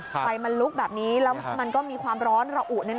ไฟมันลุกแบบนี้แล้วมันก็มีความร้อนระอุ